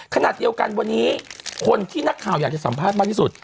ขณะเดียวกันวันนี้คนที่นักข่าวอยากจะสัมภาษณ์มากที่สุด